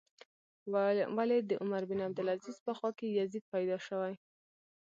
ولې د عمر بن عبدالعزیز په خوا کې یزید پیدا شوی.